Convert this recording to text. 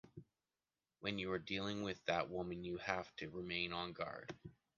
When you are dealing with that woman, you have to remain on guard.